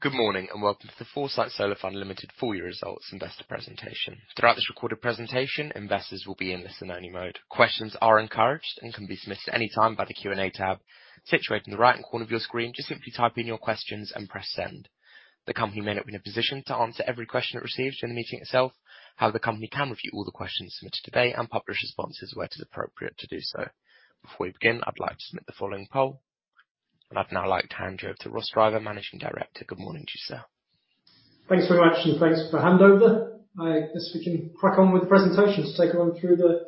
Good morning and welcome to the Foresight Solar Fund Limited full-year results investor presentation. Throughout this recorded presentation, investors will be in listen-only mode. Questions are encouraged and can be submitted at any time by the Q&A tab situated in the right-hand corner of your screen. Just simply type in your questions and press send. The company may not be in a position to answer every question it receives during the meeting itself, however, the company can review all the questions submitted today and publish responses where it is appropriate to do so. Before we begin, I'd like to submit the following poll, and I'd now like to hand over to Ross Driver, Managing Director. Good morning, Justin. Thanks very much, and thanks for the handover. I guess we can crack on with the presentation to take you on through the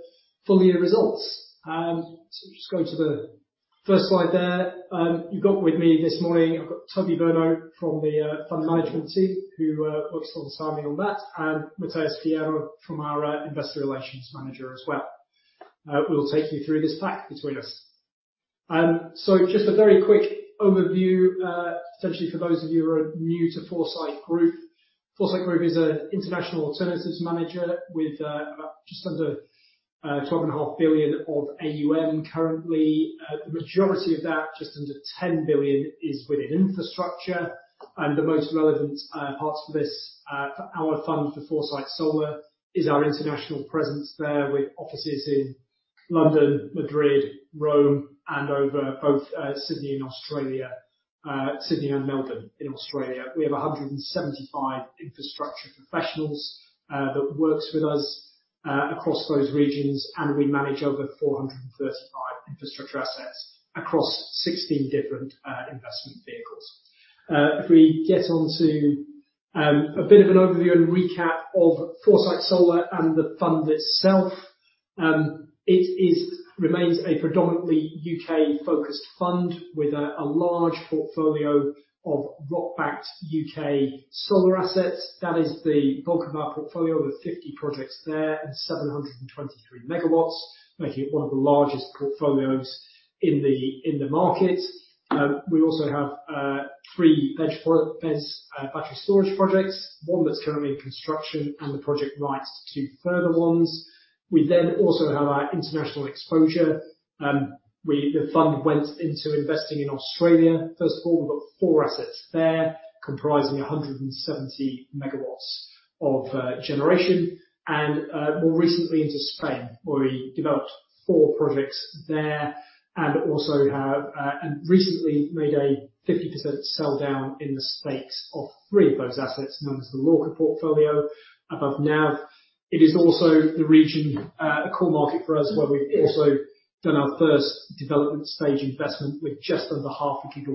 full-year results. So just going to the first slide there, you've got with me this morning, I've got Toby Verno from the fund management team who works alongside me on that, and Matheus Fierro from our investor relations manager as well. We'll take you through this pack between us. So just a very quick overview, potentially for those of you who are new to Foresight Group. Foresight Group is an international alternatives manager with just under 12.5 billion of AUM currently. The majority of that, just under 10 billion, is within infrastructure. And the most relevant parts for our fund for Foresight Solar is our international presence there with offices in London, Madrid, Rome, and in both Sydney and Melbourne in Australia. We have 175 infrastructure professionals that work with us across those regions, and we manage over 435 infrastructure assets across 16 different investment vehicles. If we get onto a bit of an overview and recap of Foresight Solar and the fund itself, it remains a predominantly U.K.-focused fund with a large portfolio of ROCs-backed U.K. solar assets. That is the bulk of our portfolio, with 50 projects there and 723 MW, making it one of the largest portfolios in the market. We also have three battery storage projects, one that's currently in construction and the project rights to further ones. We then also have our international exposure. The fund went into investing in Australia, first of all. We've got four assets there comprising 170 MW of generation, and more recently into Spain, where we developed four projects there and also have recently made a 50% sell-down in the stakes of three of those assets known as the Lorca Portfolio above NAV. It is also the core market for us where we've also done our first development stage investment with just under 0.5 GW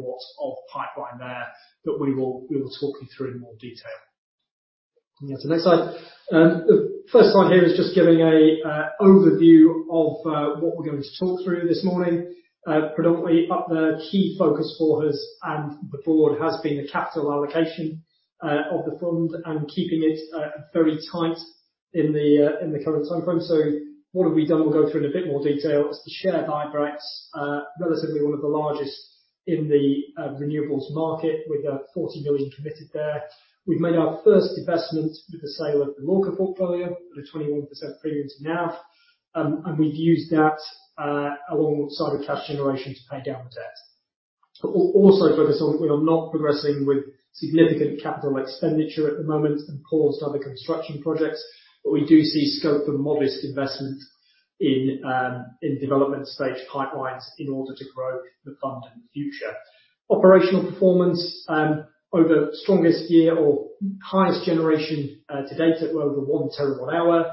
of pipeline there that we will talk you through in more detail. Yeah, so next slide. The first slide here is just giving an overview of what we're going to talk through this morning. Predominantly, the key focus for us and the board has been the capital allocation of the fund and keeping it very tight in the current timeframe. So what have we done? We'll go through in a bit more detail. It's the share buybacks, relatively one of the largest in the renewables market, with 40 million committed there. We've made our first investment with the sale of the Lorca Portfolio at a 21% premium to NAV, and we've used that alongside with cash generation to pay down the debt. Also, focus on that we are not progressing with significant capital expenditure at the moment and paused other construction projects, but we do see scope for modest investment in development stage pipelines in order to grow the fund in the future. Operational performance, over the strongest year or highest generation to date, at well over 1 TWh.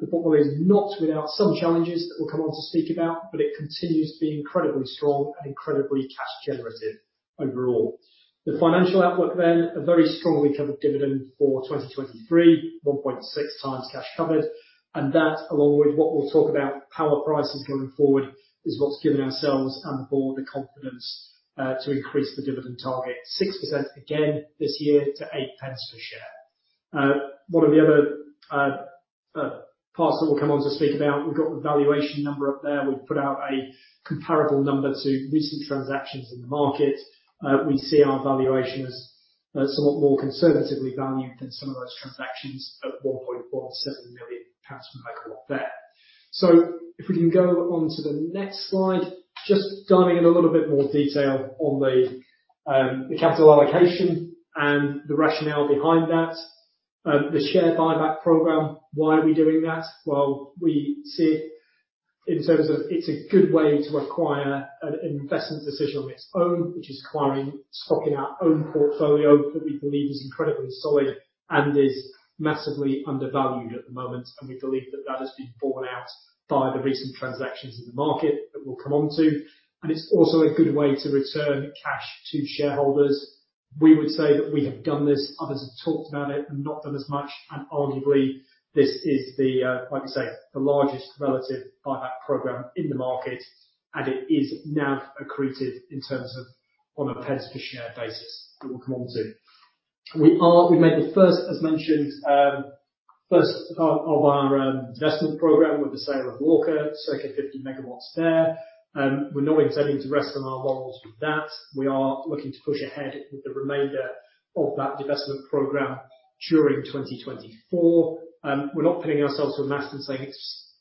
The portfolio is not without some challenges that we'll come on to speak about, but it continues to be incredibly strong and incredibly cash-generative overall. The financial outlook then, a very strongly covered dividend for 2023, 1.6 times cash covered, and that, along with what we'll talk about, power prices going forward, is what's given ourselves and the board the confidence to increase the dividend target, 6% again this year to 0.08 per share. One of the other parts that we'll come on to speak about, we've got the valuation number up there. We've put out a comparable number to recent transactions in the market. We see our valuation as somewhat more conservatively valued than some of those transactions at 1.17 million pounds per megawatt there. So if we can go on to the next slide, just diving in a little bit more detail on the capital allocation and the rationale behind that. The share buyback program, why are we doing that? Well, we see it in terms of it's a good way to acquire an investment decision on its own, which is acquiring, stocking our own portfolio that we believe is incredibly solid and is massively undervalued at the moment. And we believe that that has been borne out by the recent transactions in the market that we'll come on to. And it's also a good way to return cash to shareholders. We would say that we have done this. Others have talked about it and not done as much. And arguably, this is, like I say, the largest relative buyback program in the market, and it is NAV accretive in terms of on a pence-per-share basis that we'll come on to. We've made the first, as mentioned, first of our investment program with the sale of Lorca, circa 50 MW there. We're not intending to rest on our laurels with that. We are looking to push ahead with the remainder of that investment program during 2024. We're not pinning ourselves to a mast and saying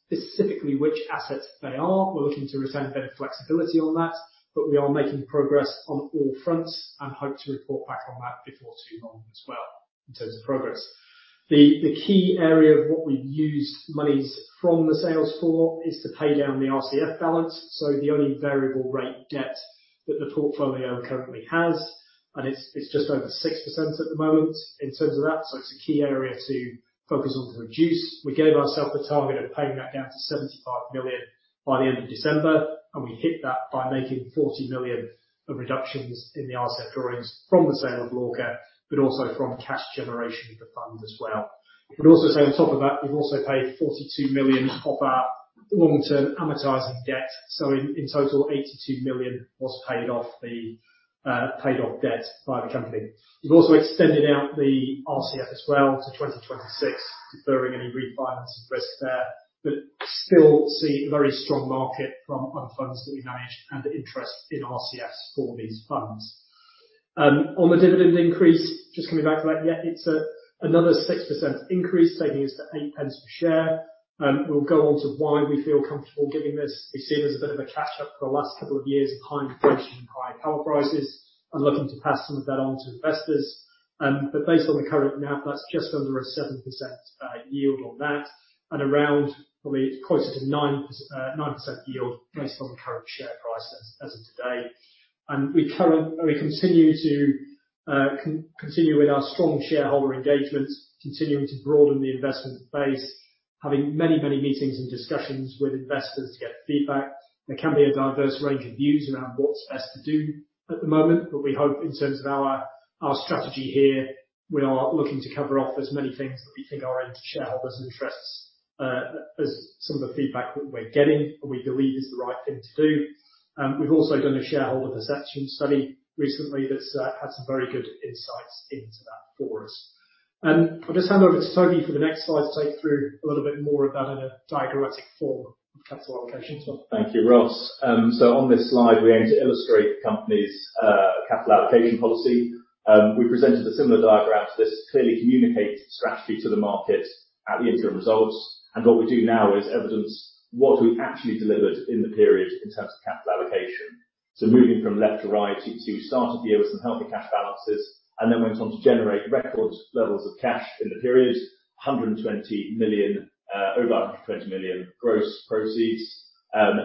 specifically which assets they are. We're looking to return a bit of flexibility on that, but we are making progress on all fronts and hope to report back on that before too long as well in terms of progress. The key area of what we've used monies from the sales for is to pay down the RCF balance, so the only variable-rate debt that the portfolio currently has, and it's just over 6% at the moment in terms of that. So it's a key area to focus on to reduce. We gave ourselves a target of paying that down to 75 million by the end of December, and we hit that by making 40 million of reductions in the RCF drawings from the sale of Lorca, but also from cash generation of the fund as well. I would also say, on top of that, we've also paid 42 million off our long-term amortizing debt. So in total, 82 million was paid off the paid-off debt by the company. We've also extended out the RCF as well to 2026, deferring any refinancing risk there, but still see a very strong market from other funds that we manage and interest in RCFs for these funds. On the dividend increase, just coming back to that yet, it's another 6% increase, taking us to 8 pence per share. We'll go on to why we feel comfortable giving this. We've seen there's a bit of a catch-up for the last couple of years of high inflation and high power prices and looking to pass some of that on to investors. But based on the current NAV, that's just under a 7% yield on that and around probably closer to 9% yield based on the current share price as of today. And we continue with our strong shareholder engagement, continuing to broaden the investment base, having many, many meetings and discussions with investors to get feedback. There can be a diverse range of views around what's best to do at the moment, but we hope in terms of our strategy here, we are looking to cover off as many things that we think are in to shareholders' interests as some of the feedback that we're getting and we believe is the right thing to do. We've also done a shareholder perception study recently that's had some very good insights into that for us. I'll just hand over to Toby for the next slide to take through a little bit more of that in a diagrammatic form of capital allocation as well. Thank you, Ross. So on this slide, we aim to illustrate the company's capital allocation policy. We presented a similar diagram to this to clearly communicate strategy to the market at the interim results. And what we do now is evidence what we actually delivered in the period in terms of capital allocation. So moving from left to right, you can see we started the year with some healthy cash balances and then went on to generate record levels of cash in the period, over 120 million gross proceeds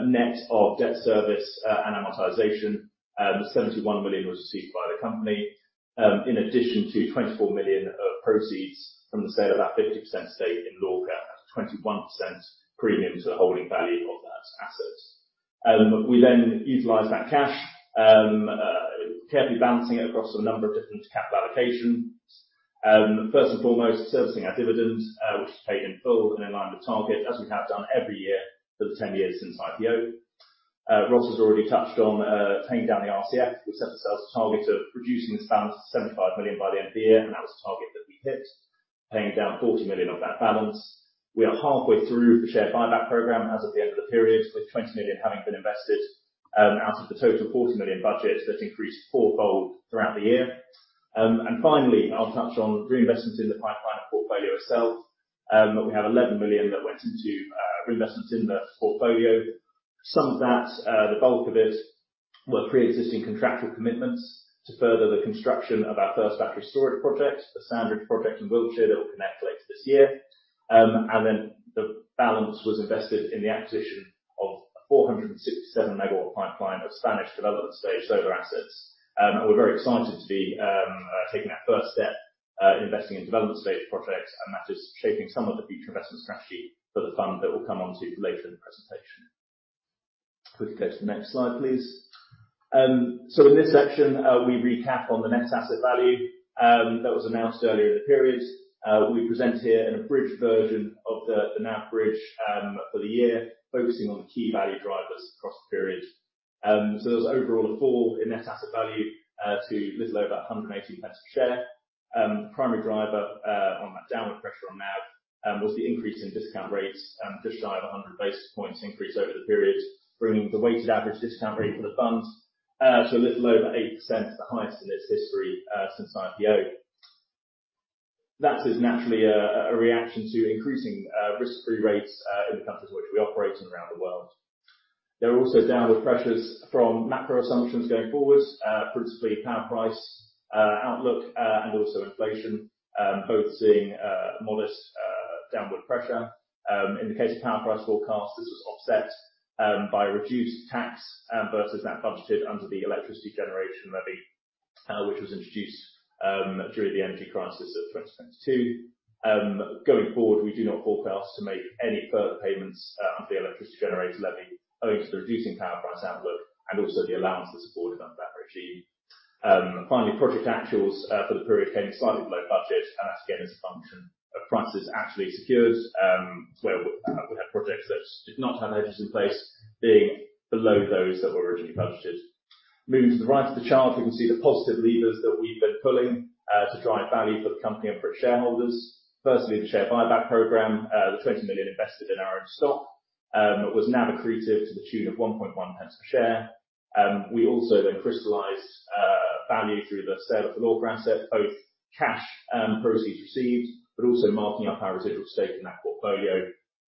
net of debt service and amortization. 71 million was received by the company, in addition to 24 million of proceeds from the sale of that 50% stake in Lorca, a 21% premium to the holding value of that asset. We then utilized that cash, carefully balancing it across a number of different capital allocations. First and foremost, servicing our dividend, which was paid in full and in line with target, as we have done every year for the 10 years since IPO. Ross has already touched on paying down the RCF. We set ourselves a target of reducing this balance to 75 million by the end of the year, and that was a target that we hit, paying down 40 million of that balance. We are halfway through the share buyback program as of the end of the period, with 20 million having been invested out of the total 40 million budget that increased fourfold throughout the year. Finally, I'll touch on reinvestment in the pipeline and portfolio itself. We have 11 million that went into reinvestment in the portfolio. Some of that, the bulk of it, were pre-existing contractual commitments to further the construction of our first battery storage project, the Sandridge Project in Wiltshire that will connect later this year. And then the balance was invested in the acquisition of a 467 MW pipeline of Spanish development stage solar assets. And we're very excited to be taking that first step, investing in development stage projects, and that is shaping some of the future investment strategy for the fund that we'll come on to later in the presentation. If we could go to the next slide, please. So in this section, we recap on the net asset value that was announced earlier in the period. We present here an abridged version of the NAV bridge for the year, focusing on the key value drivers across the period. So there was overall a fall in net asset value to a little over 1.18 pounds per share. The primary driver on that downward pressure on NAV was the increase in discount rates, just shy of 100 basis points increase over the period, bringing the weighted average discount rate for the fund to a little over 8%, the highest in its history since IPO. That is naturally a reaction to increasing risk-free rates in the countries in which we operate and around the world. There are also downward pressures from macro assumptions going forward, principally power price outlook and also inflation, both seeing modest downward pressure. In the case of power price forecasts, this was offset by reduced tax versus that budgeted under the Electricity Generator Levy, which was introduced during the energy crisis of 2022. Going forward, we do not forecast to make any further payments under the Electricity Generator Levy, owing to the reducing power price outlook and also the allowance that's afforded under that regime. Finally, project actuals for the period came slightly below budget, and that's again as a function of prices actually secured, where we had projects that did not have hedges in place being below those that were originally budgeted. Moving to the right of the chart, we can see the positive levers that we've been pulling to drive value for the company and for its shareholders. Firstly, the share buyback program, the 20 million invested in our own stock, was NAV accretive to the tune of 1.1 pence per share. We also then crystallised value through the sale of the Lorca asset, both cash and proceeds received, but also marking up our residual stake in that portfolio,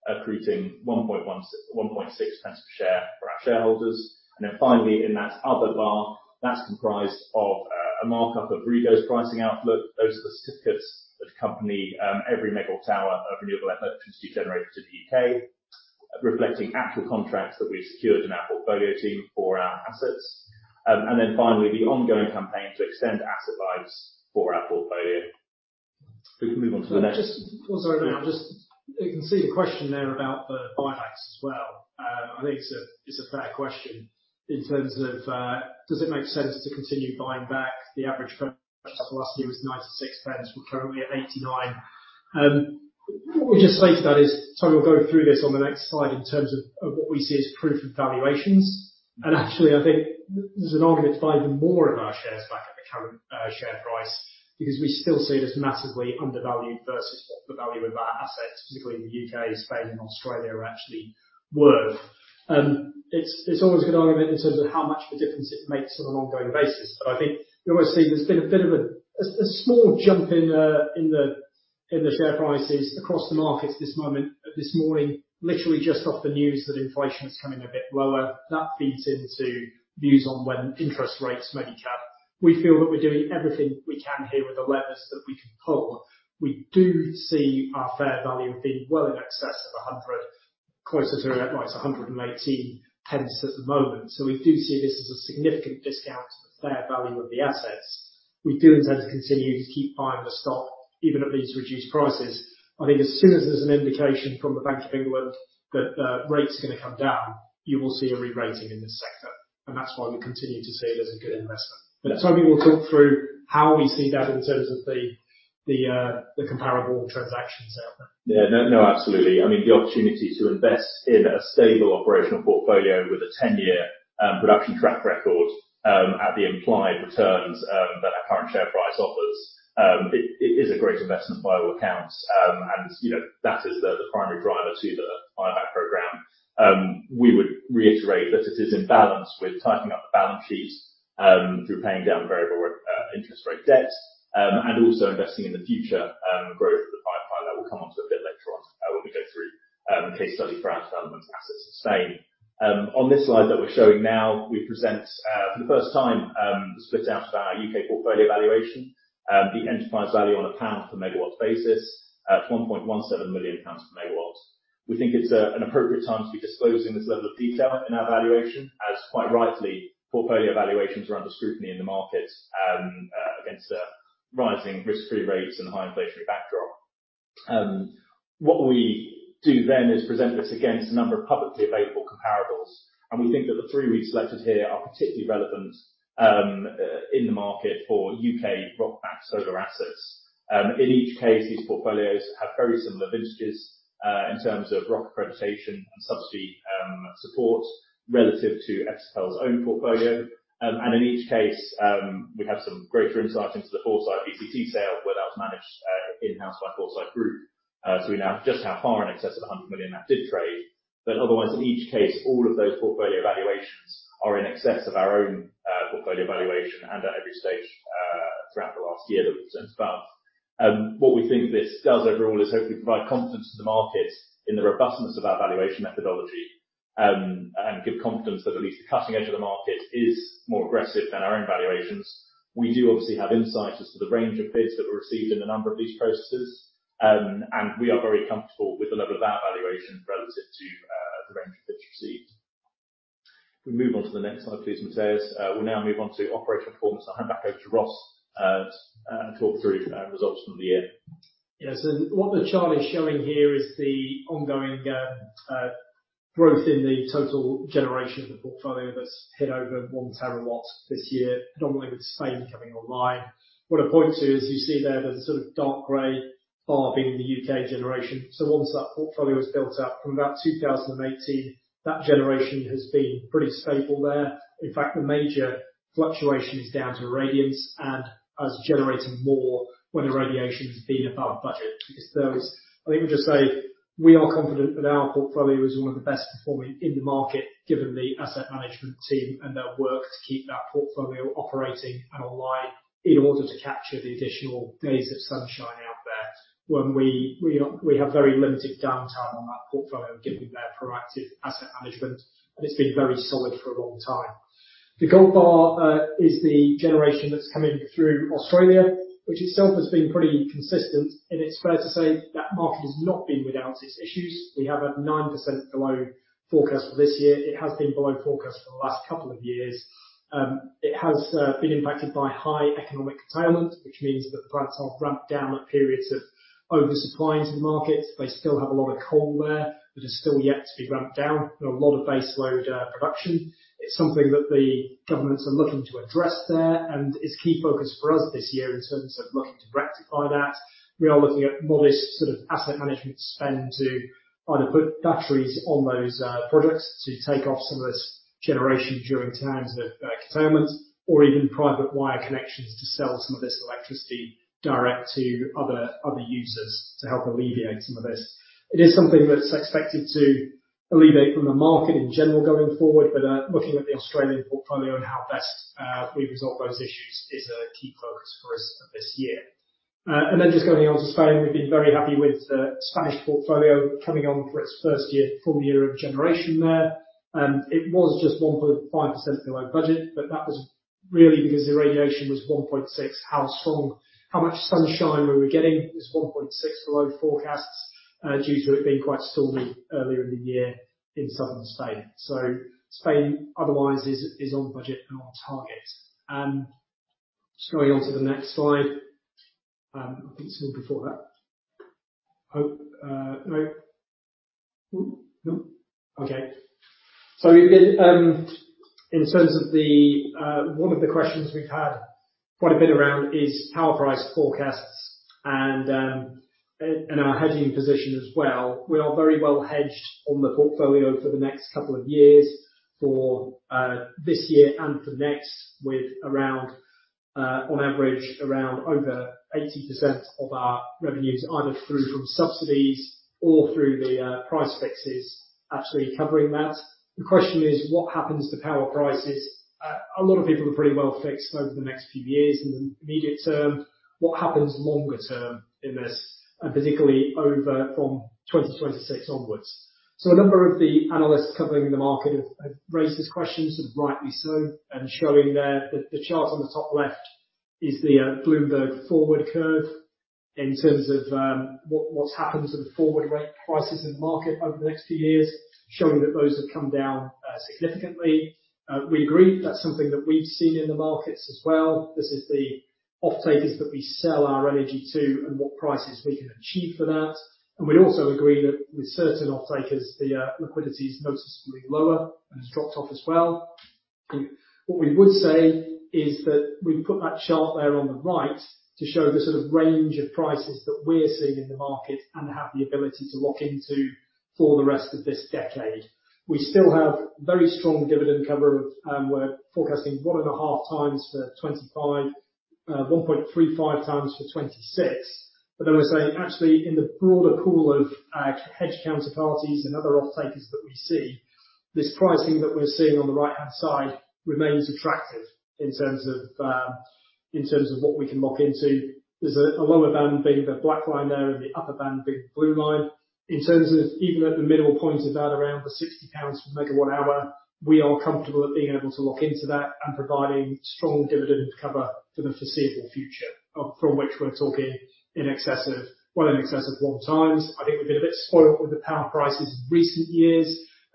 accreting 1.6 pence per share for our shareholders. And then finally, in that other bar, that's comprised of a markup of REGOs pricing outlook. Those are the certificates that the company, every megawatt-hour of renewable electricity generated in the UK, reflecting actual contracts that we've secured in our portfolio team for our assets. And then finally, the ongoing campaign to extend asset lives for our portfolio. We can move on to the next. Oh, sorry, Matheus. You can see the question there about the buybacks as well. I think it's a fair question in terms of, does it make sense to continue buying back? The average purchase velocity was 0.96. We're currently at 0.89. What we just say to that is, Tom, we'll go through this on the next slide in terms of what we see as proof of valuations. And actually, I think there's an argument to buy even more of our shares back at the current share price because we still see it as massively undervalued versus what the value of our assets, particularly in the U.K., Spain, and Australia, are actually worth. It's always a good argument in terms of how much of a difference it makes on an ongoing basis. But I think we always see there's been a bit of a small jump in the share prices across the markets this morning, literally just off the news that inflation is coming a bit lower. That feeds into views on when interest rates may be capped. We feel that we're doing everything we can here with the levers that we can pull. We do see our fair value being well in excess of 1.00, closer to like 1.18 at the moment. So we do see this as a significant discount to the fair value of the assets. We do intend to continue to keep buying the stock, even at these reduced prices. I think as soon as there's an indication from the Bank of England that rates are going to come down, you will see a re-rating in this sector. That's why we continue to see it as a good investment. Tob, you will talk through how we see that in terms of the comparable transactions out there. Yeah, no, absolutely. I mean, the opportunity to invest in a stable operational portfolio with a 10-year production track record at the implied returns that our current share price offers, it is a great investment by all accounts. And that is the primary driver to the buyback program. We would reiterate that it is in balance with tightening up the balance sheet through paying down variable interest rate debt and also investing in the future growth of the pipeline that we'll come on to a bit later on when we go through a case study for our development assets in Spain. On this slide that we're showing now, we present for the first time the split out of our UK portfolio valuation, the enterprise value on a pound-per-megawatt basis, to 1.17 million pounds per megawatt. We think it's an appropriate time to be disclosing this level of detail in our valuation, as quite rightly, portfolio valuations are under scrutiny in the market against rising risk-free rates and high inflationary backdrop. What we do then is present this against a number of publicly available comparables. And we think that the three we've selected here are particularly relevant in the market for UK ROC-backed solar assets. In each case, these portfolios have very similar vintages in terms of ROC accreditation and subsidy support relative to FSFL's own portfolio. And in each case, we have some greater insight into the Foresight VCT sale, where that was managed in-house by Foresight Group. So we now have just how far in excess of 100 million that did trade. But otherwise, in each case, all of those portfolio valuations are in excess of our own portfolio valuation and at every stage throughout the last year that we've sent above. What we think this does overall is hopefully provide confidence to the markets in the robustness of our valuation methodology and give confidence that at least the cutting edge of the market is more aggressive than our own valuations. We do obviously have insights as to the range of bids that were received in a number of these processes, and we are very comfortable with the level of our valuation relative to the range of bids received. If we move on to the next slide, please, Matheus. We'll now move on to operational performance. I'll hand back over to Ross to talk through results from the year. Yeah, so what the chart is showing here is the ongoing growth in the total generation of the portfolio that's hit over 1 TWh this year, predominantly with Spain coming online. What I point to is you see there the sort of dark grey bar being the UK generation. So once that portfolio was built up from about 2018, that generation has been pretty stable there. In fact, the major fluctuation is down to irradiance and us generating more when irradiation has been above budget because those I think we'll just say we are confident that our portfolio is one of the best performing in the market given the asset management team and their work to keep that portfolio operating and online in order to capture the additional days of sunshine out there when we have very limited downtime on that portfolio given their proactive asset management. It's been very solid for a long time. The gold bar is the generation that's coming through Australia, which itself has been pretty consistent. It's fair to say that market has not been without its issues. We have had 9% below forecast for this year. It has been below forecast for the last couple of years. It has been impacted by high economic curtailment, which means that the products are ramped down at periods of oversupply into the markets. They still have a lot of coal there that has still yet to be ramped down. There are a lot of baseload production. It's something that the governments are looking to address there, and it's a key focus for us this year in terms of looking to rectify that. We are looking at modest sort of asset management spend to either put batteries on those projects to take off some of this generation during times of curtailment or even private wire connections to sell some of this electricity direct to other users to help alleviate some of this. It is something that's expected to alleviate from the market in general going forward, but looking at the Australian portfolio and how best we resolve those issues is a key focus for us this year. And then just going on to Spain, we've been very happy with the Spanish portfolio coming on for its first year, full year of generation there. It was just 1.5% below budget, but that was really because irradiation was 1.6% below forecasts. How much sunshine we were getting was 1.6% below forecasts due to it being quite stormy earlier in the year in southern Spain. So Spain otherwise is on budget and on target. Just going on to the next slide. I think it's more before that. Oh, no. Nope. Okay. So again, in terms of the one of the questions we've had quite a bit around is power price forecasts and our hedging position as well. We are very well hedged on the portfolio for the next couple of years, for this year and for next, with on average around over 80% of our revenues either through from subsidies or through the price fixes actually covering that. The question is, what happens to power prices? A lot of people are pretty well fixed over the next few years in the immediate term. What happens longer term in this, particularly over from 2026 onwards? So a number of the analysts covering the market have raised this question, sort of rightly so, and showing there that the chart on the top left is the Bloomberg forward curve in terms of what's happened to the forward rate prices in the market over the next few years, showing that those have come down significantly. We agree that's something that we've seen in the markets as well. This is the off-takers that we sell our energy to and what prices we can achieve for that. And we'd also agree that with certain off-takers, the liquidity is noticeably lower and has dropped off as well. What we would say is that we've put that chart there on the right to show the sort of range of prices that we're seeing in the market and have the ability to lock into for the rest of this decade. We still have very strong dividend cover of 1.5 times we're forecasting for 2025, 1.35 times for 2026. But then we're saying, actually, in the broader pool of hedge counterparties and other off-takers that we see, this pricing that we're seeing on the right-hand side remains attractive in terms of what we can lock into. There's a lower band being the black line there and the upper band being the blue line. In terms of even at the middle point of that, around 60 pounds per megawatt-hour, we are comfortable at being able to lock into that and providing strong dividend cover for the foreseeable future from which we're talking well in excess of one times. I think we've been a bit spoiled with the power prices in recent years,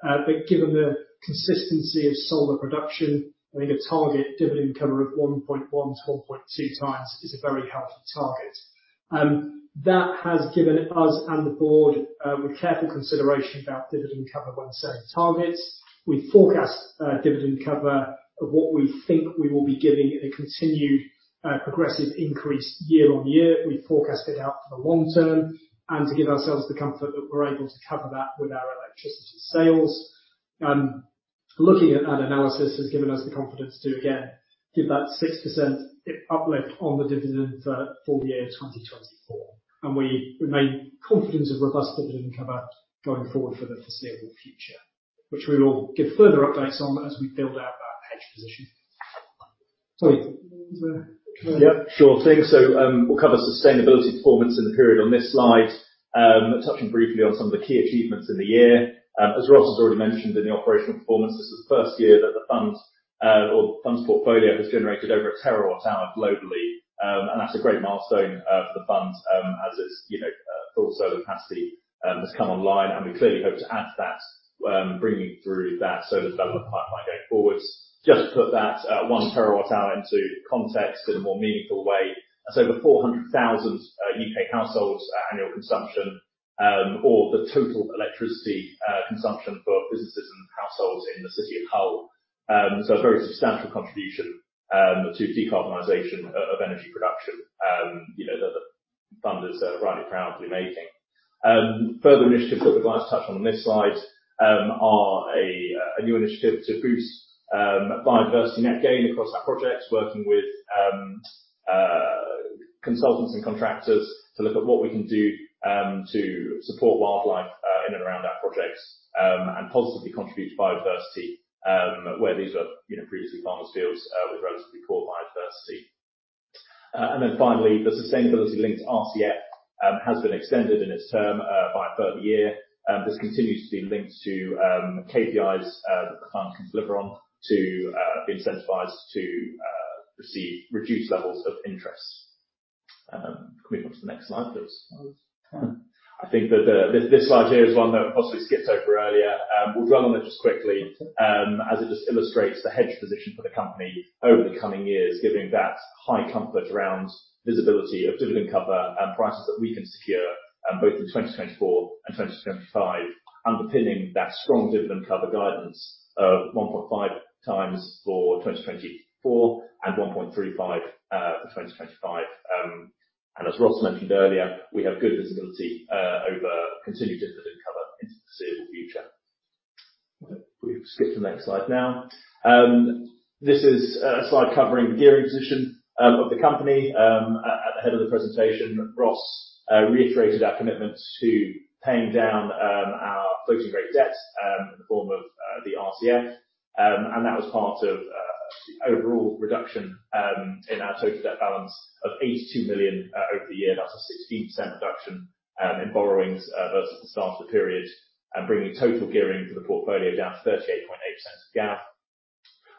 but given the consistency of solar production, I think a target dividend cover of 1.1-1.2 times is a very healthy target. That has given us and the board, with careful consideration about dividend cover when setting targets, we forecast dividend cover of what we think we will be giving in a continued progressive increase year on year. We forecast it out for the long term and to give ourselves the comfort that we're able to cover that with our electricity sales. Looking at that analysis has given us the confidence to, again, give that 6% uplift on the dividend for the year 2024. And we remain confident of robust dividend cover going forward for the foreseeable future, which we will give further updates on as we build out that hedge position. Toby. Yeah, sure. Thanks. So we'll cover sustainability performance in the period on this slide, touching briefly on some of the key achievements in the year. As Ross has already mentioned in the operational performance, this is the first year that the fund or the fund's portfolio has generated over a terawatt-hour globally. And that's a great milestone for the fund as its full solar capacity has come online. And we clearly hope to add to that, bringing through that solar development pipeline going forward, just to put that 1 terawatt-hour into context in a more meaningful way. That's over 400,000 UK households' annual consumption or the total electricity consumption for businesses and households in the city as a whole. So a very substantial contribution to decarbonization of energy production that the fund is rightly proudly making. Further initiatives that we'd like to touch on on this slide are a new initiative to boost biodiversity net gain across our projects, working with consultants and contractors to look at what we can do to support wildlife in and around our projects and positively contribute to biodiversity where these were previously farmers' fields with relatively poor biodiversity. And then finally, the sustainability-linked RCF has been extended in its term by a further year. This continues to be linked to KPIs that the fund can deliver on to be incentivised to receive reduced levels of interest. Can we go on to the next slide, please? I think that this large area is one that possibly skipped over earlier. We'll dwell on it just quickly as it just illustrates the hedge position for the company over the coming years, giving that high comfort around visibility of dividend cover and prices that we can secure both in 2024 and 2025, underpinning that strong dividend cover guidance of 1.5 times for 2024 and 1.35 for 2025. And as Ross mentioned earlier, we have good visibility over continued dividend cover into the foreseeable future. We've skipped to the next slide now. This is a slide covering the gearing position of the company. At the head of the presentation, Ross reiterated our commitment to paying down our floating rate debt in the form of the RCF. And that was part of the overall reduction in our total debt balance of 82 million over the year. That's a 16% reduction in borrowings versus the start of the period, bringing total gearing for the portfolio down to 38.8% of GAV.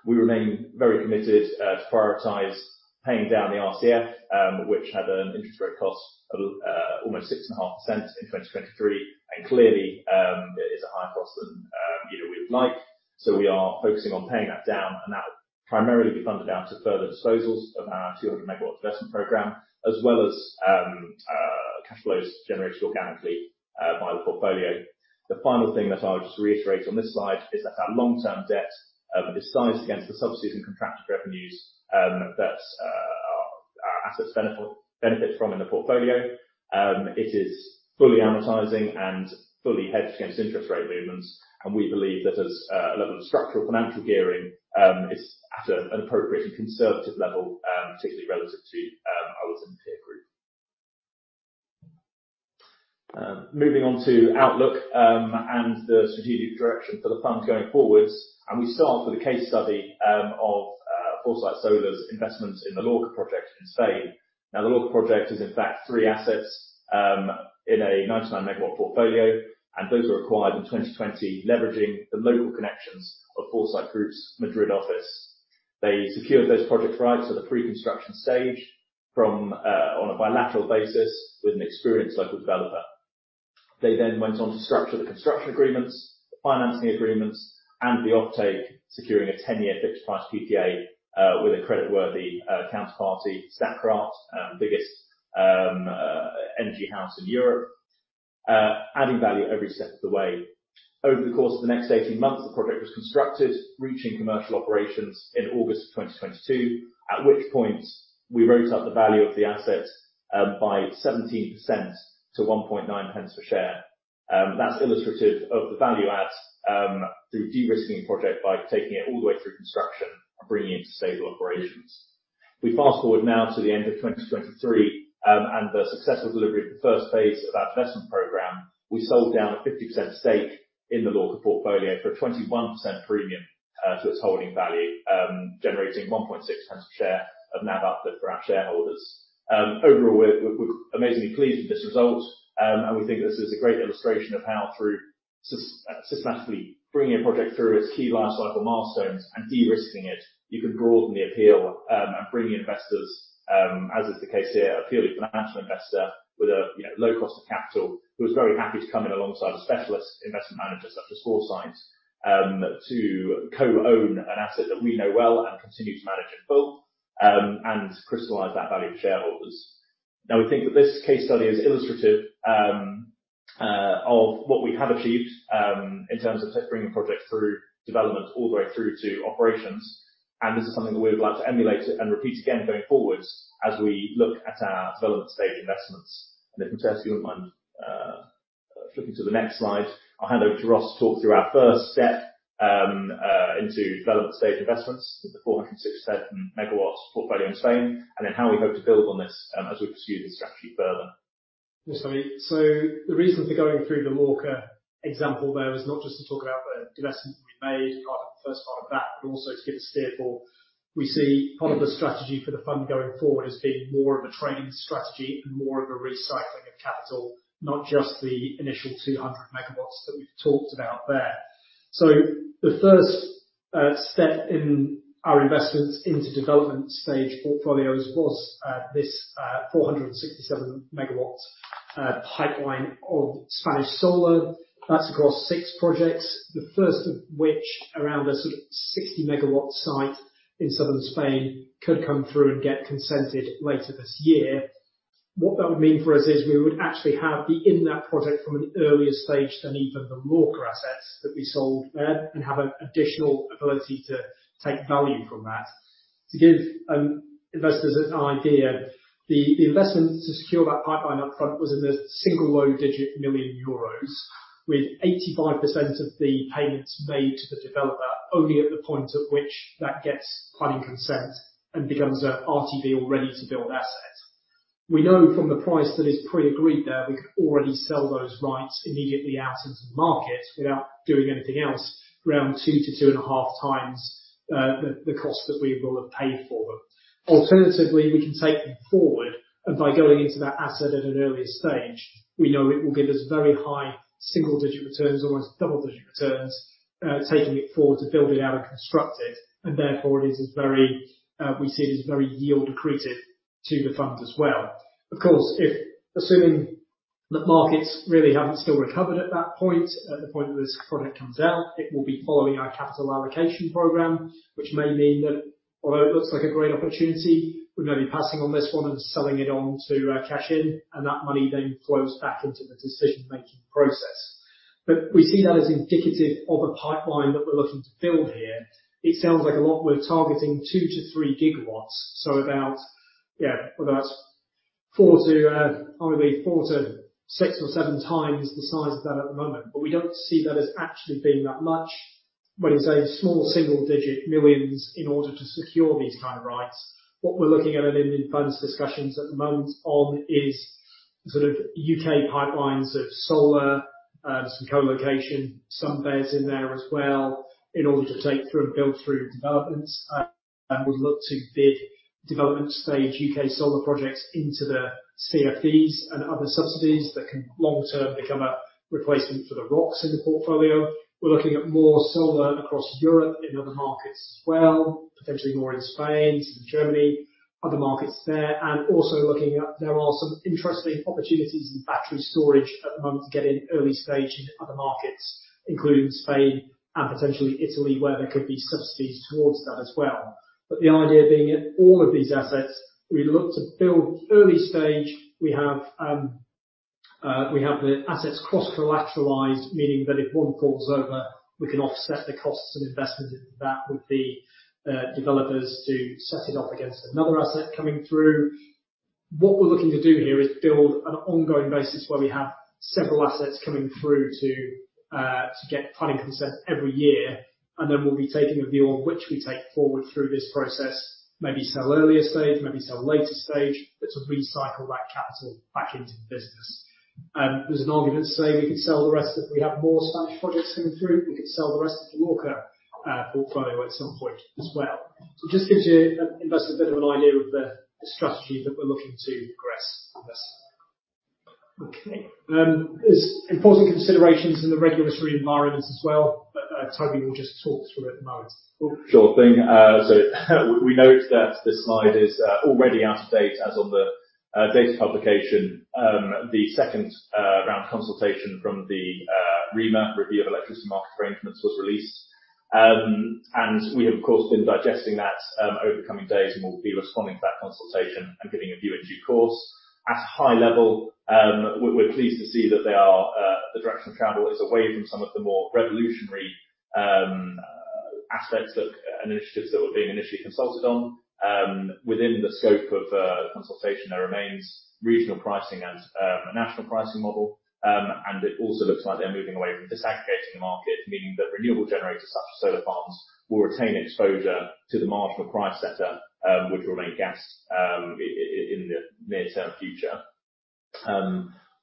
We remain very committed to prioritize paying down the RCF, which had an interest rate cost of almost 6.5% in 2023, and clearly it is a higher cost than we would like. So we are focusing on paying that down. That will primarily be funded out to further disposals of our 200-MW investment program, as well as cash flows generated organically by the portfolio. The final thing that I'll just reiterate on this slide is that our long-term debt is sized against the subsidies and contractor revenues that our assets benefit from in the portfolio. It is fully amortizing and fully hedged against interest rate movements. We believe that as a level of structural financial gearing, it's at an appropriate and conservative level, particularly relative to others in the peer group. Moving on to outlook and the strategic direction for the fund going forwards. We start with a case study of Foresight Solar's investment in the Lorca project in Spain. Now, the Lorca project is, in fact, three assets in a 99 MW portfolio. Those were acquired in 2020, leveraging the local connections of Foresight Group's Madrid office. They secured those projects right for the pre-construction stage on a bilateral basis with an experienced local developer. They then went on to structure the construction agreements, the financing agreements, and the off-take, securing a 10-year fixed-price PPA with a creditworthy counterparty, Statkraft, biggest energy house in Europe, adding value every step of the way. Over the course of the next 18 months, the project was constructed, reaching commercial operations in August of 2022, at which point we wrote up the value of the asset by 17% to 0.019 per share. That's illustrative of the value add through de-risking the project by taking it all the way through construction and bringing it to stable operations. If we fast-forward now to the end of 2023 and the successful delivery of the first phase of our investment program, we sold down a 50% stake in the Lorca Portfolio for a 21% premium to its holding value, generating 0.016 per share of NAV output for our shareholders. Overall, we're amazingly pleased with this result. We think this is a great illustration of how, through systematically bringing a project through its key lifecycle milestones and de-risking it, you can broaden the appeal and bring investors, as is the case here, a purely financial investor with a low cost of capital who is very happy to come in alongside a specialist investment manager such as Foresight to co-own an asset that we know well and continue to manage in full and crystallize that value for shareholders. Now, we think that this case study is illustrative of what we have achieved in terms of bringing projects through development all the way through to operations. This is something that we would like to emulate and repeat again going forwards as we look at our development stage investments. If, Matheus, you wouldn't mind flipping to the next slide, I'll hand over to Ross to talk through our first step into development stage investments with the 467 MW portfolio in Spain and then how we hope to build on this as we pursue this strategy further. Yes, Toby. So the reason for going through the Lorca example there was not just to talk about the investment that we made part of the first part of that, but also to give a steer for we see part of the strategy for the fund going forward as being more of a trading strategy and more of a recycling of capital, not just the initial 200 MW that we've talked about there. So the first step in our investments into development stage portfolios was this 467 MW pipeline of Spanish solar. That's across six projects, the first of which around a sort of 60 MW site in southern Spain could come through and get consented later this year. What that would mean for us is we would actually have the in-lab project from an earlier stage than even the Lorca assets that we sold there and have an additional ability to take value from that. To give investors an idea, the investment to secure that pipeline upfront was EUR single low-digit million, with 85% of the payments made to the developer only at the point at which that gets planning consent and becomes an RtB or ready-to-build asset. We know from the price that is pre-agreed there, we can already sell those rights immediately out into the market without doing anything else around 2-2.5 times the cost that we will have paid for them. Alternatively, we can take them forward. By going into that asset at an earlier stage, we know it will give us very high single-digit returns, almost double-digit returns, taking it forward to build it out and construct it. And therefore, we see it as very yield-accretive to the fund as well. Of course, assuming that markets really haven't still recovered at that point, at the point that this project comes out, it will be following our capital allocation program, which may mean that although it looks like a great opportunity, we may be passing on this one and selling it on to cash in, and that money then flows back into the decision-making process. But we see that as indicative of a pipeline that we're looking to build here. It sounds like a lot. We're targeting 2-3 GW, so about whether that's 4-, I believe, 4-6 or 7 times the size of that at the moment. But we don't see that as actually being that much. When you say small single-digit millions in order to secure these kind of rights, what we're looking at and in funds discussions at the moment on is sort of UK pipelines of solar, some co-location, some BESS in there as well in order to take through and build through developments. And we'd look to bid development stage UK solar projects into the CFDs and other subsidies that can long-term become a replacement for the ROCs in the portfolio. We're looking at more solar across Europe in other markets as well, potentially more in Spain, some Germany, other markets there. And also looking at there are some interesting opportunities in battery storage at the moment to get in early stage in other markets, including Spain and potentially Italy, where there could be subsidies towards that as well. But the idea being at all of these assets, we look to build early stage. We have the assets cross-collateralized, meaning that if one falls over, we can offset the costs and investment into that with the developers to set it up against another asset coming through. What we're looking to do here is build an ongoing basis where we have several assets coming through to get planning consent every year. And then we'll be taking a view on which we take forward through this process, maybe sell earlier stage, maybe sell later stage, but to recycle that capital back into the business. There's an argument to say we could sell the rest if we have more Spanish projects coming through. We could sell the rest of the Lorca Portfolio at some point as well. So it just gives you investors a bit of an idea of the strategy that we're looking to progress with this. Okay. There's important considerations in the regulatory environments as well, but Toby will just talk through it at the moment. Sure thing. So we note that this slide is already out of date as of the date of publication. The second round consultation from the REMA, Review of Electricity Market Arrangements, was released. We have, of course, been digesting that over the coming days. We'll be responding to that consultation and giving a view in due course. At a high level, we're pleased to see that the direction of travel is away from some of the more revolutionary aspects and initiatives that were being initially consulted on. Within the scope of consultation, there remains regional pricing and a national pricing model. It also looks like they're moving away from disaggregating the market, meaning that renewable generators such as solar farms will retain exposure to the marginal price setter, which will remain gas-led in the near-term future.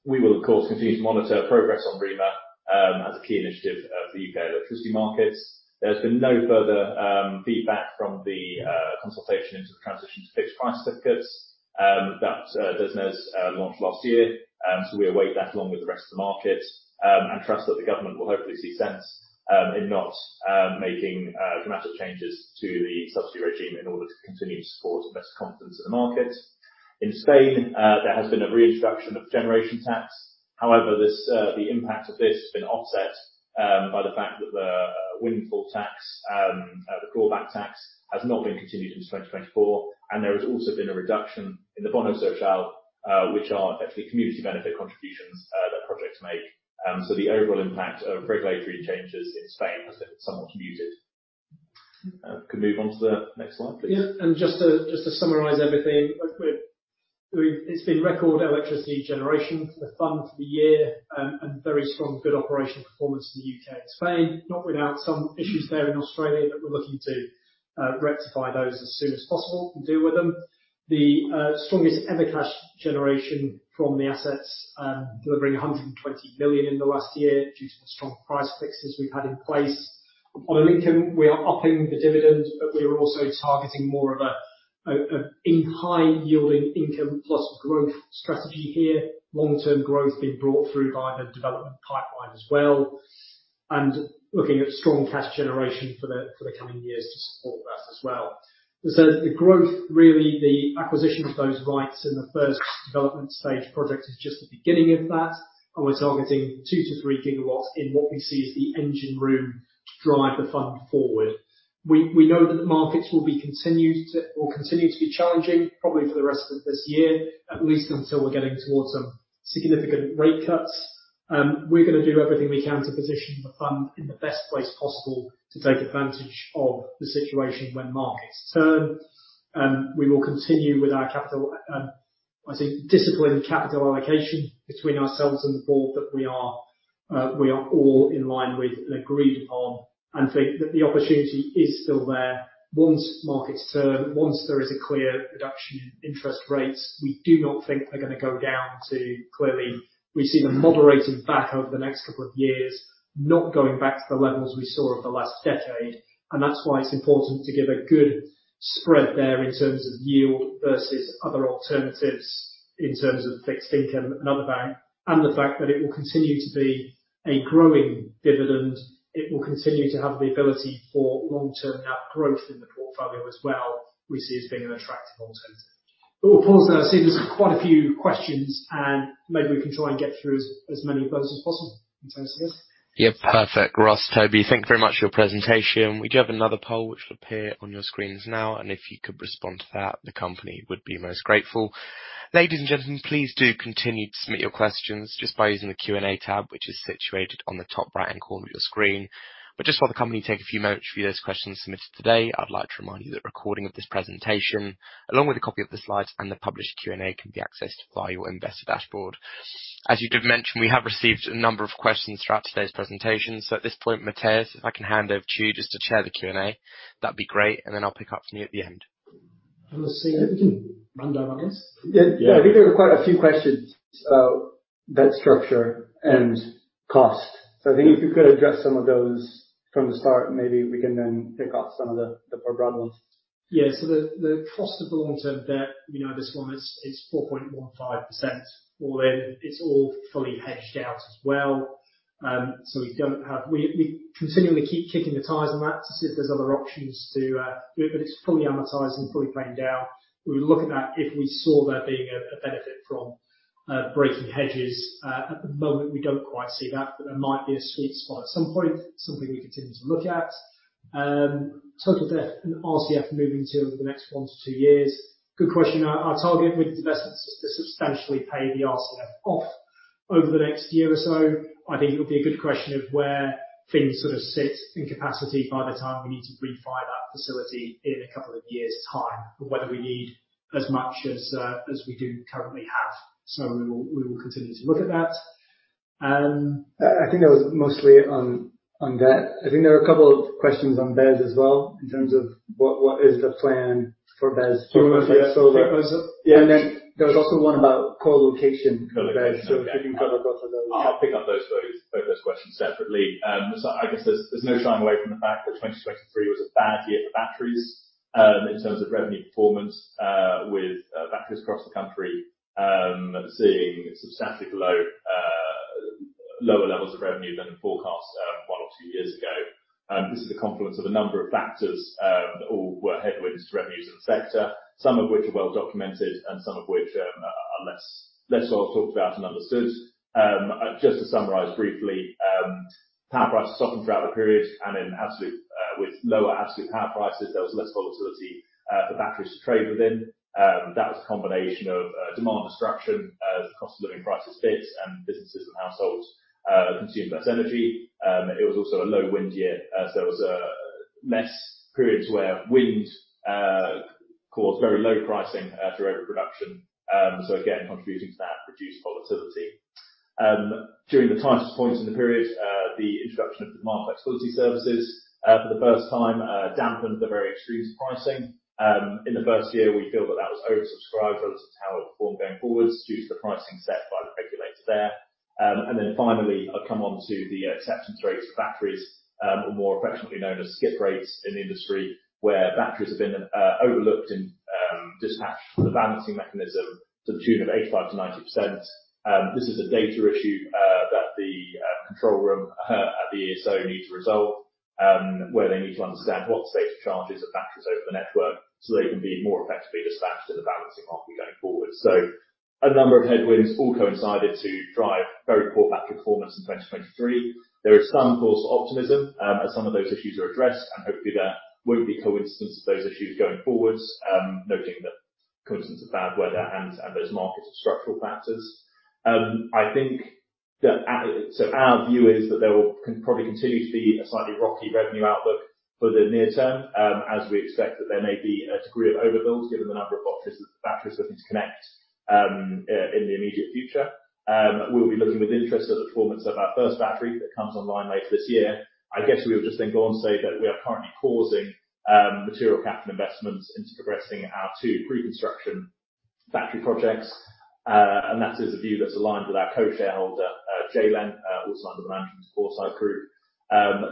We will, of course, continue to monitor progress on REMA as a key initiative of the U.K. electricity markets. There's been no further feedback from the consultation into the transition to fixed-price certificates. That doesn't have launched last year. We await that along with the rest of the market and trust that the government will hopefully see sense in not making dramatic changes to the subsidy regime in order to continue to support investor confidence in the market. In Spain, there has been a reintroduction of generation tax. However, the impact of this has been offset by the fact that the windfall tax, the clawback tax, has not been continued into 2024. There has also been a reduction in the Bono Social, which are actually community benefit contributions that projects make. The overall impact of regulatory changes in Spain has been somewhat muted. Could move on to the next slide, please? Yeah. Just to summarize everything, it's been record electricity generation for the fund for the year and very strong, good operational performance in the UK and Spain, not without some issues there in Australia. But we're looking to rectify those as soon as possible and deal with them. The strongest ever cash generation from the assets, delivering 120 million in the last year due to the strong price fixes we've had in place. On an income, we are upping the dividend. But we are also targeting more of a high-yielding income-plus-growth strategy here, long-term growth being brought through by the development pipeline as well, and looking at strong cash generation for the coming years to support that as well. As I said, the growth, really, the acquisition of those rights in the first development stage project is just the beginning of that. We're targeting 2-3 GW in what we see as the engine room to drive the fund forward. We know that the markets will continue to be challenging, probably for the rest of this year, at least until we're getting towards some significant rate cuts. We're going to do everything we can to position the fund in the best place possible to take advantage of the situation when markets turn. We will continue with our capital, I think, disciplined capital allocation between ourselves and the board that we are all in line with and agreed upon and think that the opportunity is still there once markets turn, once there is a clear reduction in interest rates. We do not think they're going to go down to. Clearly, we see them moderating back over the next couple of years, not going back to the levels we saw of the last decade. And that's why it's important to give a good spread there in terms of yield versus other alternatives in terms of fixed income and other bank and the fact that it will continue to be a growing dividend. It will continue to have the ability for long-term NAV growth in the portfolio as well, we see as being an attractive alternative. But we'll pause there. I see there's quite a few questions. And maybe we can try and get through as many of those as possible in terms of this. Yeah. Perfect, Ross, Toby. Thank you very much for your presentation. We do have another poll which will appear on your screens now. If you could respond to that, the company would be most grateful. Ladies and gentlemen, please do continue to submit your questions just by using the Q&A tab, which is situated on the top right-hand corner of your screen. But just while the company takes a few moments to review those questions submitted today, I'd like to remind you that recording of this presentation, along with a copy of the slides and the published Q&A, can be accessed via your investor dashboard. As you did mention, we have received a number of questions throughout today's presentation. At this point, Matheus, if I can hand over to you just to chair the Q&A, that'd be great. Then I'll pick up from you at the end. I'm going to see if we can run down that list. Yeah. Yeah. I think there were quite a few questions about that structure and cost. So I think if you could address some of those from the start, maybe we can then pick off some of the more broad ones. Yeah. So the cost of the long-term debt, this one, it's 4.15%. It's all fully hedged out as well. So we don't have, we continually keep kicking the tires on that to see if there's other options to do it. But it's fully amortized and fully paid down. We would look at that if we saw there being a benefit from breaking hedges. At the moment, we don't quite see that. But there might be a sweet spot at some point, something we continue to look at. Total debt and RCF moving to over the next 1-2 years, good question. Our target with investments is to substantially pay the RCF off over the next year or so. I think it'll be a good question of where things sort of sit in capacity by the time we need to refire that facility in a couple of years' time and whether we need as much as we do currently have. So we will continue to look at that. I think that was mostly on that. I think there were a couple of questions on BESS as well in terms of what is the plan for BESS for solar. And then there was also one about co-location BESS. So if you can cover both of those. I'll pick up both those questions separately. I guess there's no shying away from the fact that 2023 was a bad year for batteries in terms of revenue performance with batteries across the country seeing substantially lower levels of revenue than forecast one or two years ago. This is a confluence of a number of factors that all were headwinds to revenues in the sector, some of which are well-documented and some of which are less well talked about and understood. Just to summarize briefly, power prices softened throughout the period. With lower absolute power prices, there was less volatility for batteries to trade within. That was a combination of demand destruction as the cost-of-living crisis hit and businesses and households consumed less energy. It was also a low-wind year. There was less periods where wind caused very low pricing through overproduction. So again, contributing to that reduced volatility. During the tightest points in the period, the introduction of demand flexibility services for the first time dampened the very extremes of pricing. In the first year, we feel that that was oversubscribed relative to how it performed going forwards due to the pricing set by the regulator there. And then finally, I'll come on to the exceptions rates for batteries, or more affectionately known as skip rates in the industry, where batteries have been overlooked and dispatched from the balancing mechanism to the tune of 85%-90%. This is a data issue that the control room at the ESO need to resolve, where they need to understand what the state of charge is of batteries over the network so they can be more effectively dispatched in the balancing market going forward. A number of headwinds all coincided to drive very poor battery performance in 2023. There is some cause for optimism as some of those issues are addressed. Hopefully, there won't be coincidence of those issues going forward, noting the coincidence of bad weather and those markets of structural factors. Our view is that there will probably continue to be a slightly rocky revenue outlook for the near term as we expect that there may be a degree of overbuild given the number of batteries looking to connect in the immediate future. We'll be looking with interest at the performance of our first battery that comes online later this year. I guess we would just then go on to say that we are currently causing material capital investments into progressing our 2 pre-construction battery projects. That is a view that's aligned with our co-shareholder, JLEN Environmental Assets Group.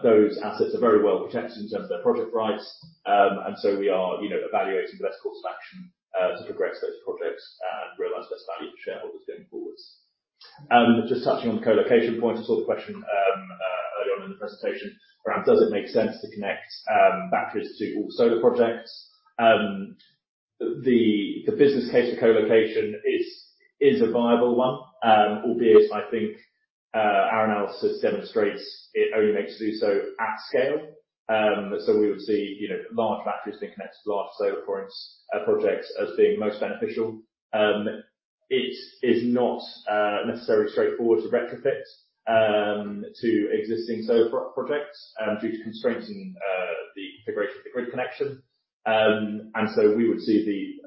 Those assets are very well protected in terms of their project rights. So we are evaluating the best course of action to progress those projects and realize best value for shareholders going forwards. Just touching on the co-location point, I saw the question early on in the presentation around, "Does it make sense to connect batteries to all solar projects?" The business case for co-location is a viable one, albeit I think our analysis demonstrates it only makes sense to do so at scale. So we would see large batteries being connected to large solar projects as being most beneficial. It is not necessarily straightforward to retrofit to existing solar projects due to constraints in the configuration of the grid connection. And so we would see the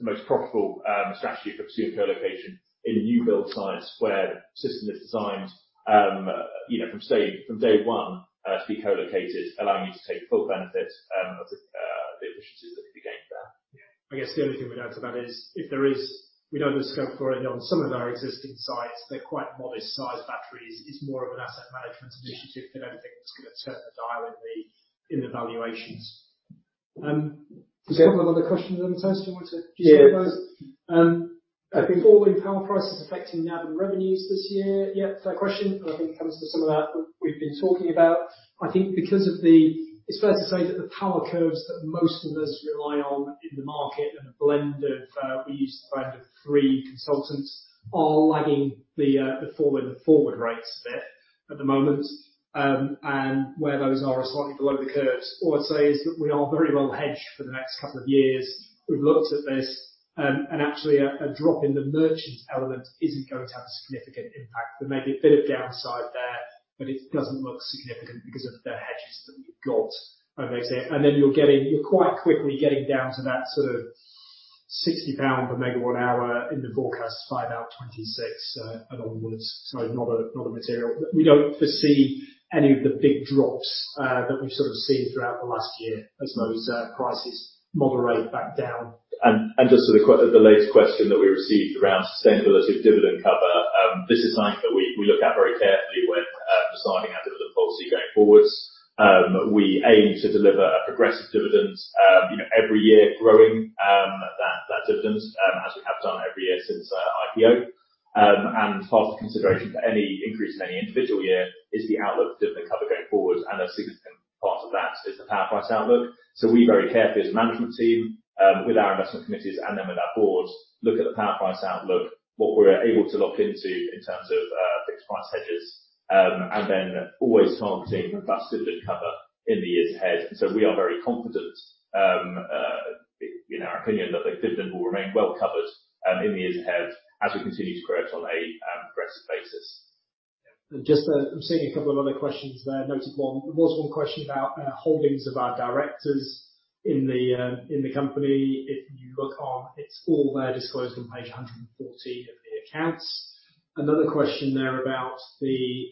most profitable strategy for pursuing co-location in new build sites where the system is designed from day one to be co-located, allowing you to take full benefit of the efficiencies that could be gained there. Yeah. I guess the only thing we'd add to that is if there is, we know, there's scope for it on some of our existing sites. They're quite modest-sized batteries. It's more of an asset management initiative than anything that's going to turn the dial in the valuations. There's a couple of other questions there, Matheus. Do you want to do some of those? Yeah. Falling power prices affecting NAV and revenues this year yet? Fair question. I think it comes to some of that we've been talking about. I think because of the—it's fair to say that the power curves that most of us rely on in the market and a blend of we use the blend of three consultants are lagging the fall in the forward rates a bit at the moment. And where those are are slightly below the curves. All I'd say is that we are very well hedged for the next couple of years. We've looked at this. Actually, a drop in the merchant element isn't going to have a significant impact. There may be a bit of downside there. But it doesn't look significant because of the hedges that we've got. Then you're quite quickly getting down to that sort of 60 pound per MWh in the forecast, 5.26 and onwards. Sorry, not a material. We don't foresee any of the big drops that we've sort of seen throughout the last year as those prices moderate back down. Just to the latest question that we received around sustainability of dividend cover, this is something that we look at very carefully when deciding our dividend policy going forward. We aim to deliver a progressive dividend every year, growing that dividend as we have done every year since IPO. And part of the consideration for any increase in any individual year is the outlook for dividend cover going forward. And a significant part of that is the power price outlook. So we very carefully, as a management team with our investment committees and then with our board, look at the power price outlook, what we're able to lock into in terms of fixed price hedges, and then always targeting robust dividend cover in the years ahead. We are very confident, in our opinion, that the dividend will remain well covered in the years ahead as we continue to create on a progressive basis. Yeah. I'm seeing a couple of other questions there. There was one question about holdings of our directors in the company. If you look on, it's all there disclosed on page 114 of the accounts. Another question there about the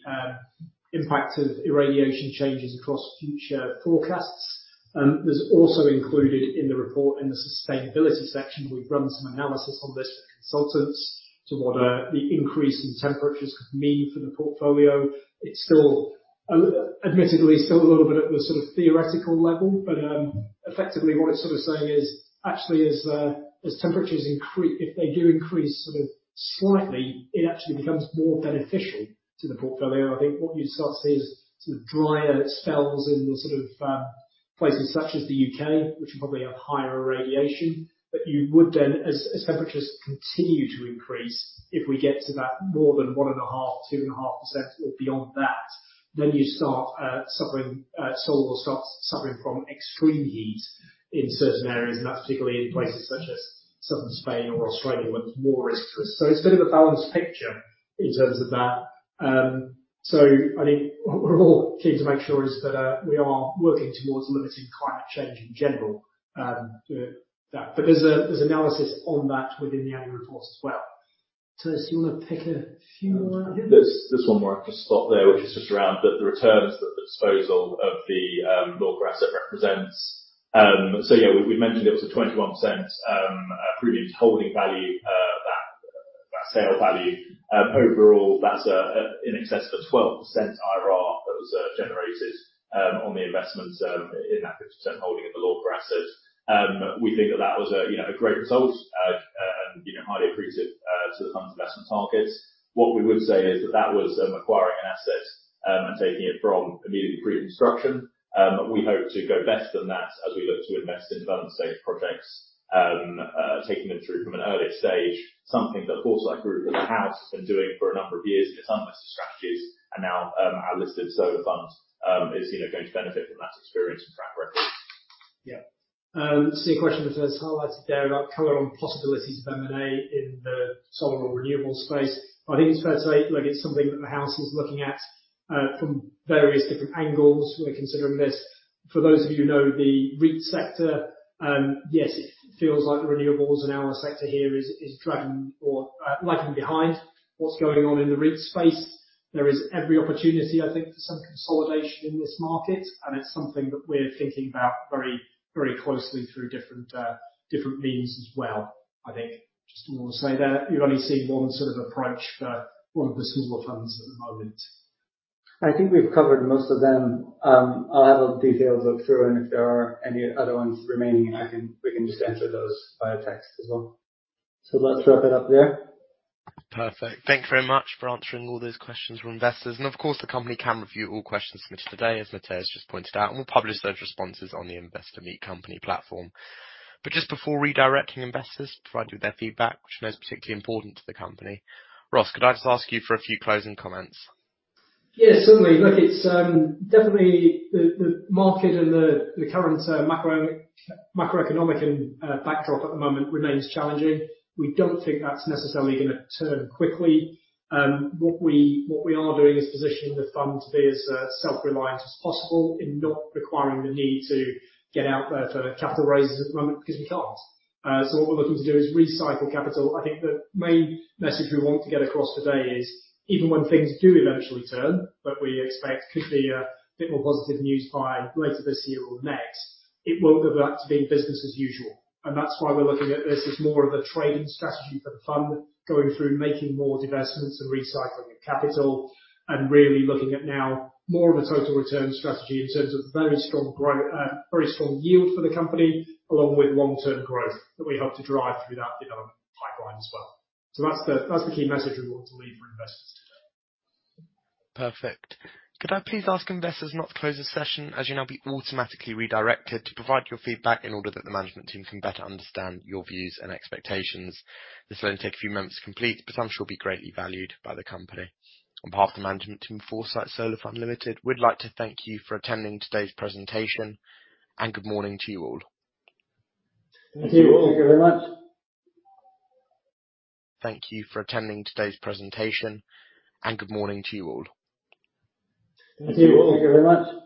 impact of irradiation changes across future forecasts. There's also included in the report in the sustainability section; we've run some analysis on this with consultants to what the increase in temperatures could mean for the portfolio. Admittedly, it's still a little bit at the sort of theoretical level. But effectively, what it's sort of saying is actually, as temperatures increase, if they do increase sort of slightly, it actually becomes more beneficial to the portfolio. And I think what you'd start to see is sort of drier spells in the sort of places such as the UK, which will probably have higher irradiation. But as temperatures continue to increase, if we get to that more than 1.5, 2.5%, or beyond that, then you start suffering solar starts suffering from extreme heat in certain areas. And that's particularly in places such as southern Spain or Australia where it's more risk to us. So it's a bit of a balanced picture in terms of that. So I think what we're all keen to make sure is that we are working towards limiting climate change in general. But there's analysis on that within the annual report as well. Toby, do you want to pick a few more? This one more. I'll just stop there, which is just around the returns that the disposal of the Lorca asset represents. So yeah, we've mentioned it was a 21% premium to holding value, that sale value. Overall, that's in excess of a 12% IRR that was generated on the investment in that 50% holding of the Lorca asset. We think that that was a great result and highly accretive to the fund's investment targets. What we would say is that that was acquiring an asset and taking it from immediate pre-construction. We hope to go better than that as we look to invest in development-stage projects, taking them through from an earlier stage, something that the Foresight Group has been doing for a number of years in its unlisted strategies. And now our listed solar fund is going to benefit from that experience and track record. Yeah. I see a question that was highlighted there about cover on possibilities of M&A in the solar or renewables space. I think it's fair to say it's something that the House is looking at from various different angles when considering this. For those of you who know the REIT sector, yes, it feels like the renewables and our sector here is lagging behind what's going on in the REIT space. There is every opportunity, I think, for some consolidation in this market. And it's something that we're thinking about very, very closely through different means as well, I think. Just want to say there. You've only seen one sort of approach for one of the smaller funds at the moment. I think we've covered most of them. I'll have a detailed look through. If there are any other ones remaining, we can just answer those via text as well. Let's wrap it up there. Perfect. Thank you very much for answering all those questions from investors. And of course, the company can review all questions submitted today, as Matheus just pointed out. And we'll publish those responses on the Investor Meet Company platform. But just before redirecting investors, provide you with their feedback, which I know is particularly important to the company. Ross, could I just ask you for a few closing comments? Yeah, certainly. Look, definitely, the market and the current macroeconomic backdrop at the moment remains challenging. We don't think that's necessarily going to turn quickly. What we are doing is positioning the fund to be as self-reliant as possible in not requiring the need to get out there for capital raises at the moment because we can't. So what we're looking to do is recycle capital. I think the main message we want to get across today is even when things do eventually turn that we expect could be a bit more positive news by later this year or next, it won't go back to being business as usual. That's why we're looking at this as more of a trading strategy for the fund, going through making more divestments and recycling of capital, and really looking at now more of a total return strategy in terms of very strong yield for the company along with long-term growth that we hope to drive through that development pipeline as well. That's the key message we want to leave for investors today. Perfect. Could I please ask investors not to close the session as you will now be automatically redirected to provide your feedback in order that the management team can better understand your views and expectations? This will only take a few minutes to complete, but I'm sure it'll be greatly valued by the company. On behalf of the management team of Foresight Solar Fund Limited, we'd like to thank you for attending today's presentation and good morning to you all. Thank you all. Thank you very much. Thank you for attending today's presentation and good morning to you all. Thank you all. Thank you very much.